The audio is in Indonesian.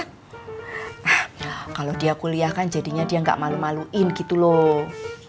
nah kalau dia kuliah kan jadinya dia gak malu maluin gitu loh